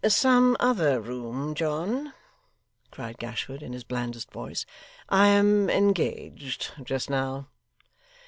'Some other room, John,' cried Gashford in his blandest voice. 'I am engaged just now.